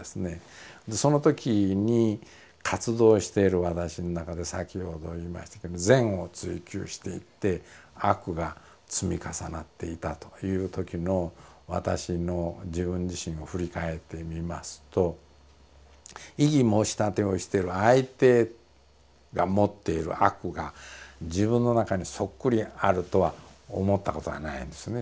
でそのときに活動している私の中で先ほど言いましたけど善を追求していって悪が積み重なっていたというときの私の自分自身を振り返ってみますと異議申し立てをしてる相手が持っている悪が自分の中にそっくりあるとは思ったことはないんですね